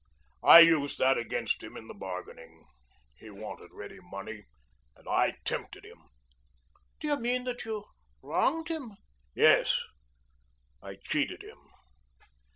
I used that against him in the bargaining. He wanted ready money, and I tempted him." "Do you mean that you wronged him?" "Yes. I cheated him."